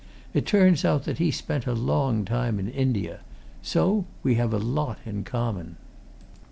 It turns out that he has spent a long time in India. So we have a lot in common."